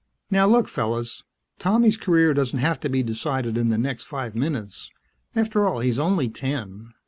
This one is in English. "Now look, fellows. Tommy's career doesn't have to be decided in the next five minutes ... after all, he's only ten.